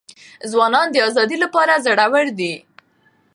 ځوانان د آزادۍ لپاره زړه ور دي.